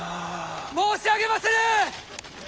申し上げまする！